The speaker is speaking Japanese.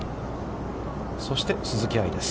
そして、鈴木愛です。